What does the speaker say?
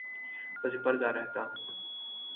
پس پردہ رہتا ہوں